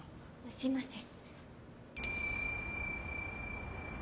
すいません。